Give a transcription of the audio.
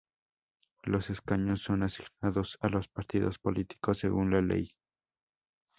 Los escaños son asignados a los partidos políticos según la ley D'Hondt.